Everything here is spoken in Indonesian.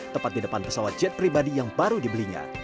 tepat di depan pesawat jet pribadi yang baru dibelinya